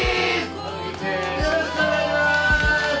よろしくお願いします。